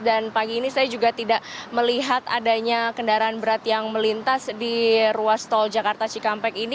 dan pagi ini saya juga tidak melihat adanya kendaraan berat yang melintas di ruas tol jakarta cikampek ini